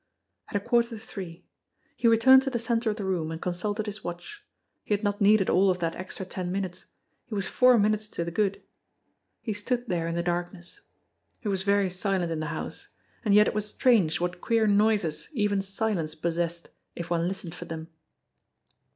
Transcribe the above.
At a quarter to three ! He returned to the centre of the room, and consulted his watch. He had not needed all of that extra ten minutes. He was four minutes to the good. He stood there in the darkness. It was very silent in the house, and yet it was strange what queer noises even silence possessed if one listened for them.